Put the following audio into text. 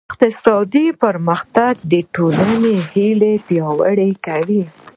اقتصادي پرمختګ د ټولنې هیلې پیاوړې کوي.